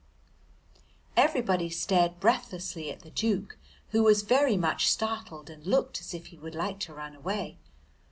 Everybody stared breathlessly at the Duke, who was very much startled and looked as if he would like to run away.